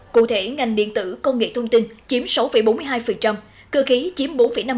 cụ thể ngành điện tử công nghệ thông tin chiếm sáu bốn mươi hai cơ khí chiếm bốn năm mươi